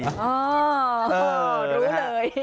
อ๋อรู้เลย